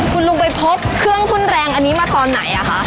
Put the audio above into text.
คุณลุงไปพบเครื่องทุ่นแรงอันนี้มาตอนไหนคะ